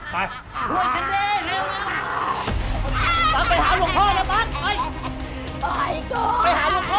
ไป